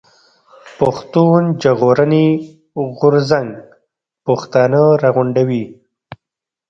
پښتون ژغورني غورځنګ پښتانه راغونډوي.